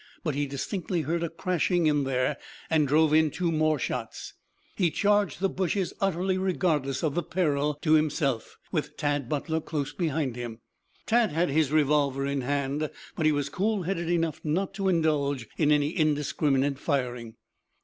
But he distinctly heard a crashing in there and drove in two more shots. He charged the bushes utterly regardless of the peril to himself, with Tad Butler close behind him. Tad had his revolver in hand, but he was cool headed enough not to indulge in any indiscriminate firing.